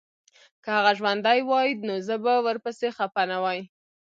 که هغه ژوندی وای نو زه به ورپسي خپه نه وای